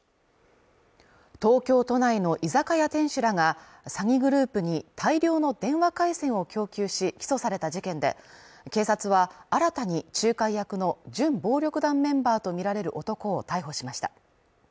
東京都内の居酒屋店主らが詐欺グループに大量の電話回線を供給し、起訴された事件で、警察は新たに仲介役の準暴力団メンバーとみられる男を逮捕しました。